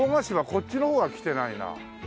こっちの方は来てないな。